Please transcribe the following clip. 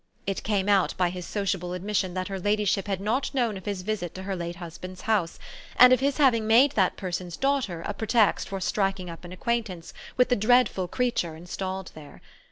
It came out by his sociable admission that her ladyship had not known of his visit to her late husband's house and of his having made that person's daughter a pretext for striking up an acquaintance with the dreadful creature installed there.